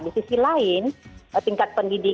di sisi lain tingkat pendidikan